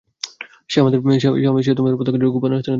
সে তোমাদের প্রত্যেকের জন্য গোপন আস্তানা তৈরি করেছে।